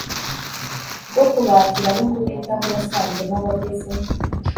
bwo kubakira no kubitaho yasanzemo abageze